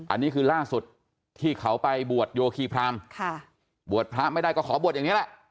อันนี้คือล่าสุดที่เขาไปบวชโยคีพรามค่ะบวชพระไม่ได้ก็ขอบวชอย่างนี้แหละ